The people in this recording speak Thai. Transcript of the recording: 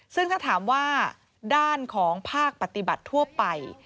ซึ่งถ้าถามว่าด้านของภาคปฏิบัติทั่วไป